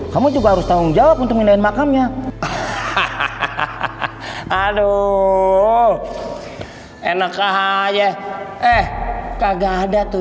kamu juga harus tanggung jawab untuk pindahin makamnya hahaha aduh enak ahy eh kagak ada tuh